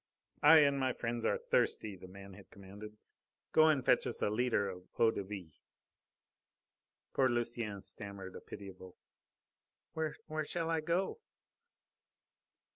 "I and my friends are thirsty," the man had commanded. "Go and fetch us a litre of eau de vie." Poor Lucienne stammered a pitiable: "Where shall I go?"